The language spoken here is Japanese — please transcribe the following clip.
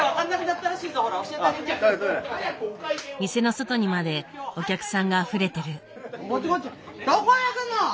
店の外にまでお客さんがあふれてる。